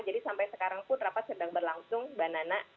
jadi sampai sekarang pun rapat sedang berlangsung banana